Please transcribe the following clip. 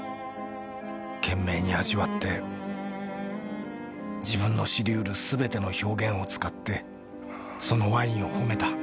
懸命に味わって自分の知りうるすべての表現を使ってそのワインを褒めた。